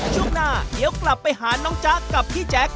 ช่วงหน้าเดี๋ยวกลับไปหาน้องจ๊ะกับพี่แจ๊ค